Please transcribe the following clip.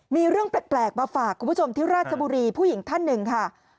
มีเรื่องแปลกมาฝากคุณผู้ชมที่ราชบุรีผู้หญิงท่านหนึ่งค่ะ